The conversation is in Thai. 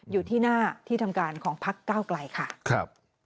อยู่ที่หน้าที่ทำการของพักก้าวกลายค่ะ